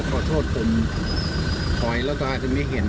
ก็เอ่อผมโทษผมถอยแล้วก็อาจจะไม่เห็น